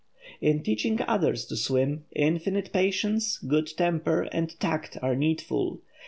In teaching others to swim, infinite patience, good temper and tact are needful.